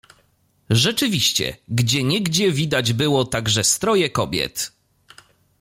"Rzeczywiście, gdzieniegdzie widać było także stroje kobiet."